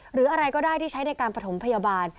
หรืออะไรก็ได้ที่ใช้ในการประถมพยาบาล